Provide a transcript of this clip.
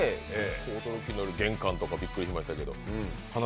驚きの玄関とかびっくりしましたけど。